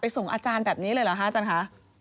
ส่งอาจารย์แบบนี้เลยเหรอคะอาจารย์คะ